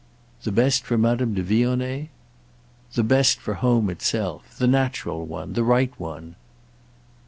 "The best for Madame de Vionnet?" "The best for home itself. The natural one; the right one."